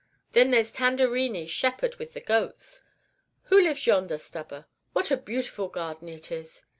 Then there's Tanderini's Shepherd with the Goats. Who lives yonder, Stubber? What a beautiful garden it is!"